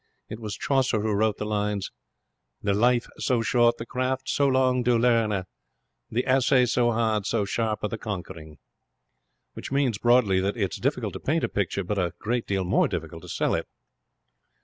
It was Chaucer who wrote the lines: The lyfe so short, the craft so long to lerne, Th' assay so hard, so sharpe the conquering. Which means, broadly, that it is difficult to paint a picture, but a great deal more difficult to sell it.